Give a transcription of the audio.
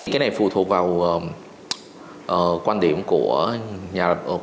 cái này phụ thuộc vào quan điểm của nhà